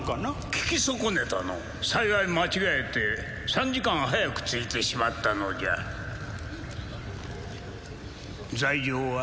聞き損ねたのう幸い間違えて３時間早く着いてしまったのじゃ罪状は？